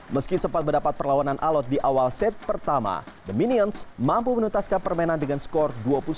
meski sempat mendapat perlawanan alot di awal set pertama the minions mampu menutaskan permainan dengan skor dua puluh satu